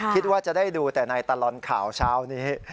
คิดว่าจะได้ดูแต่ในตลอดข่าวเช้านี้